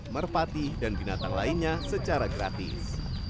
merpati dan binatang lainnya secara gratis